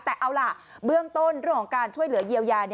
แต่เอาล่ะเบื้องต้นเรื่องของการช่วยเหลือเยียวยา